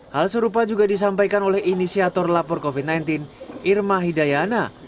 hal serupa juga disampaikan oleh inisiator lapor covid sembilan belas irma hidayana